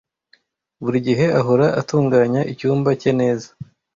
Buri gihe ahora atunganya icyumba cye neza.